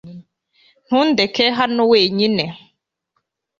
ntundeke hano wenyine